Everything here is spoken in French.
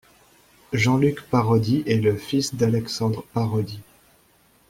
Jean-Luc Parodi est le fils d'Alexandre Parodi.